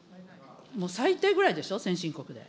もう最低ぐらいでしょ、先進国で。